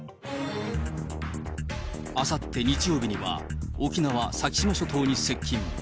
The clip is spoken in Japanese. あさって日曜日には、沖縄・先島諸島に接近。